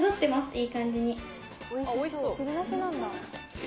いい感じに。